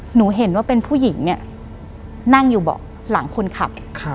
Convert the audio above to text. หนูเห็นว่าเป็นผู้หญิงเนี่ยนั่งอยู่เบาะหลังคนขับ